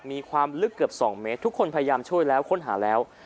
มีความลึกเกือบ๒เมตรทุกคนพยายามช่วยแล้วค้นหาแล้ว